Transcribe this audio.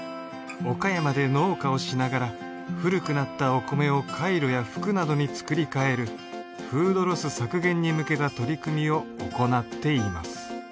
岡山で農家をしながら古くなったお米をカイロや服などに作りかえるフードロス削減に向けた取り組みを行っています